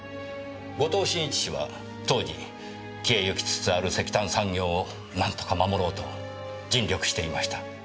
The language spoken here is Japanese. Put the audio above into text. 後藤真一氏は当時消えゆきつつある石炭産業を何とか守ろうと尽力していました。